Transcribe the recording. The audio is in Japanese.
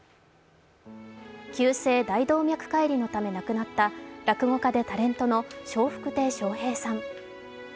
急性大動脈解離のため亡くなった落語家でタレントの笑福亭笑瓶さん。